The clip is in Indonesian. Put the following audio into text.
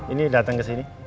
ini datang kesini